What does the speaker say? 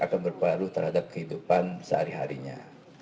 akan berpengaruh terhadap kehidupan sehari harinya